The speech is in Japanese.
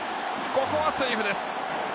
ここはセーフです。